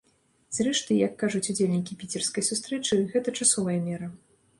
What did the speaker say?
Зрэшты, як кажуць удзельнікі піцерскай сустрэчы, гэта часовая мера.